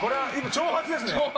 挑発です。